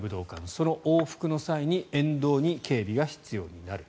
その往復の際に沿道に警備が必要になる。